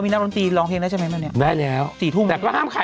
ไม่ติดโควิด